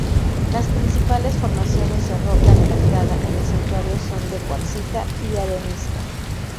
Las principales formaciones de roca levantada en el santuario son de cuarcita y arenisca.